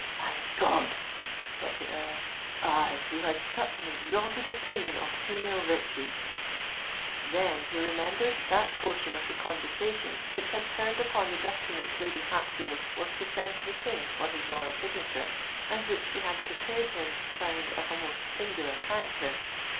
"My God!" thought the Earl: "I, who had such an exalted opinion of female virtue!" Then he remembered that portion of the conversation which had turned upon the document Lady Hatfield was to send to the King for his royal signature, and which she had prepared him to find of a most singular character.